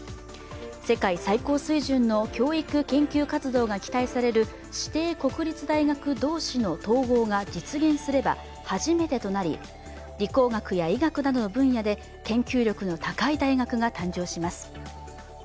世界最高水準の教育研究活動が期待される指定国立大学同士の統合が実現すれば初めてとなり理工学や医学などの分野で研究力の高い大学が誕生します。